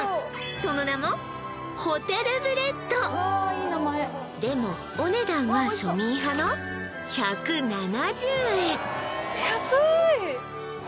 その名もでもお値段は庶民派の１７０円